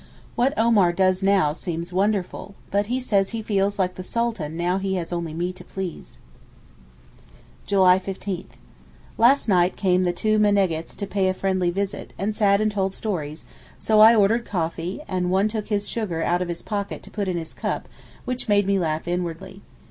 What Omar does now seems wonderful, but he says he feels like the Sultan now he has only me to please. July 15_th_.—Last night came the two meneggets to pay a friendly visit, and sat and told stories; so I ordered coffee, and one took his sugar out of his pocket to put in his cup, which made me laugh inwardly.